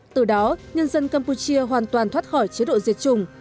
từ đó nhân dân campuchia hoàn toàn thoát khỏi chế độ diệt chủng